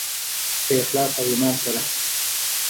په اخلاص او ایمان سره.